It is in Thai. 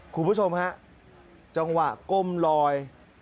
คุณผู้ชมฮะจังหวะก้มลอย